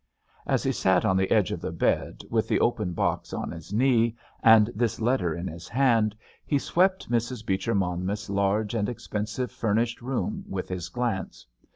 As he sat on the edge of the bed, with the open box on his knee, and this letter in his hand, he swept Mrs. Beecher Monmouth's large and expensively furnished room with his glance.